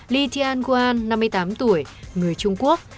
lee tian gwan năm mươi tám tuổi người trung quốc